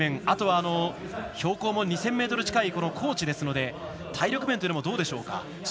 あとは、標高も２０００ｍ近いこの高地ですので体力面というのもどうでしょうか。